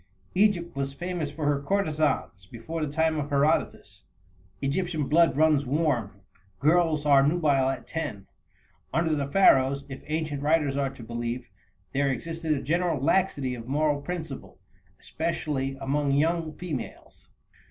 Egypt was famous for her courtesans before the time of Herodotus. Egyptian blood runs warm; girls are nubile at ten. Under the Pharaohs, if ancient writers are to be believed, there existed a general laxity of moral principle, especially among young females.